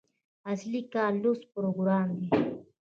اصلي کار لوست پروګرام دی.